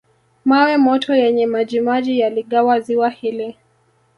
Mawe moto yenye majimaji yaligawa ziwa hili